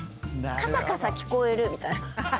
カサカサ聞こえる」みたいな。